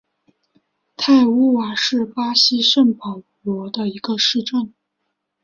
泰乌瓦是巴西圣保罗州的一个市镇。